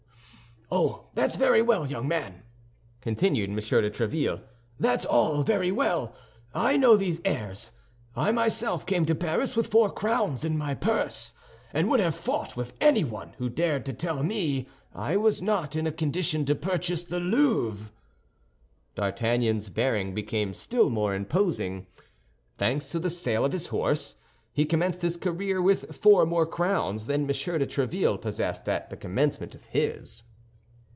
"Oh, that's very well, young man," continued M. de Tréville, "that's all very well. I know these airs; I myself came to Paris with four crowns in my purse, and would have fought with anyone who dared to tell me I was not in a condition to purchase the Louvre." D'Artagnan's bearing became still more imposing. Thanks to the sale of his horse, he commenced his career with four more crowns than M. de Tréville possessed at the commencement of his.